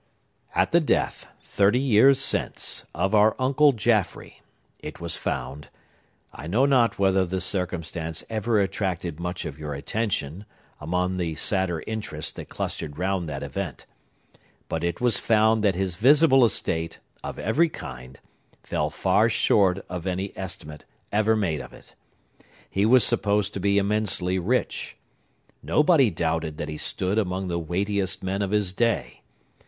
At the death, thirty years since, of our uncle Jaffrey, it was found,—I know not whether the circumstance ever attracted much of your attention, among the sadder interests that clustered round that event,—but it was found that his visible estate, of every kind, fell far short of any estimate ever made of it. He was supposed to be immensely rich. Nobody doubted that he stood among the weightiest men of his day.